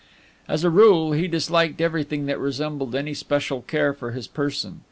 As a rule, he disliked everything that resembled any special care for his person.